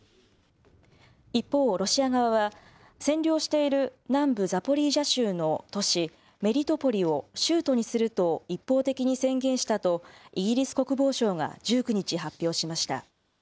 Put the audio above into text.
一方、ロシア側は、占領している南部ザポリージャ州の都市メリトポリを州都にすると一方的に宣言したと、イギリス国防省が１９日発表しました。